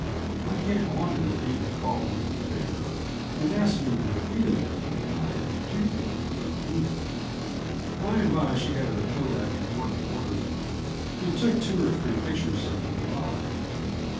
I can't wonder that Edith called me a bear, and asked me repeatedly if I had toothache, or anything. By and by she had her kodak in working order again, and took two or three pictures of the divide.